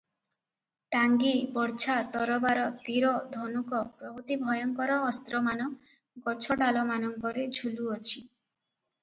ଟାଙ୍ଗି, ବର୍ଚ୍ଛା, ତରବାର, ତୀର, ଧନୁକ ପ୍ରଭୃତି ଭୟଙ୍କର ଅସ୍ତ୍ରମାନ ଗଛଡାଳମାନଙ୍କରେ ଝୁଲୁଅଛି ।